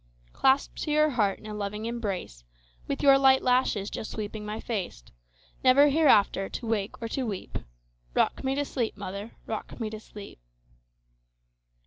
Clasped to your heart in a loving embrace, With your light lashes just sweeping my face, Never hereafter to wake or to weep;—Rock me to sleep, mother,—rock me to sleep!